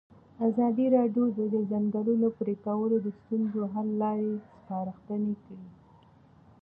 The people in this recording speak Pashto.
ازادي راډیو د د ځنګلونو پرېکول د ستونزو حل لارې سپارښتنې کړي.